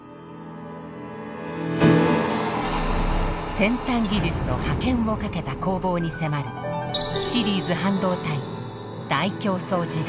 先端技術の覇権をかけた攻防に迫るシリーズ「半導体大競争時代」。